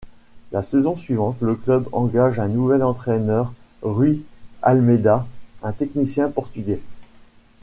La saison suivante, le club engage un nouvel entraineur, Rui Almeida, un technicien portugais.